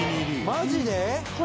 マジで？